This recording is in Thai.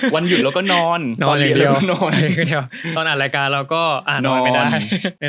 วันหยุดเราก็นอนนอนอย่างเดียวตอนอ่านรายการเราก็นอนไม่ได้